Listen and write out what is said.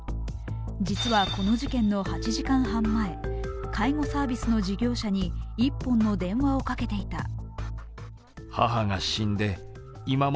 実はこの事件の８時間半前、介護サービスの事業者に１本の電話をかけていた。